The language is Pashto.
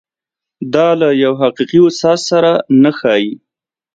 دا له حقیقي استاد سره نه ښايي.